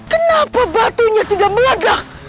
kenapa batunya tidak meledak